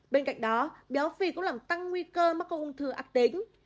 bên cạnh đó béo phì cũng làm tăng nguy cơ mắc các ung thư ác tính